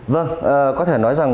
vâng có thể nói rằng